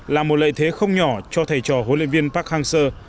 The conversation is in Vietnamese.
là một lợi thế không nhỏ cho thầy trò huấn luyện viên park hang seo